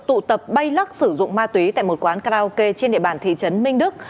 tụ tập bay lắc sử dụng ma túy tại một quán karaoke trên địa bàn thị trấn minh đức